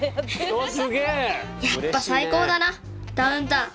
やっぱサイコーだなダウンタウン。